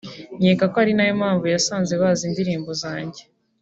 nkeka ko ari nayo mpamvu nasanze bazi indirimbo zanjye